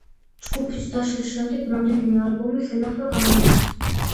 ჯგუფის დაშლის შემდეგ რამდენიმე ალბომი ხელახლა გამოიცა.